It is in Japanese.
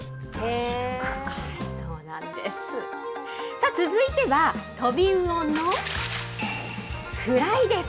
さあ、続いては、とびうおのフライです。